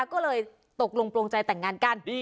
ก็เลยตกลงโปรงใจแต่งงานกัน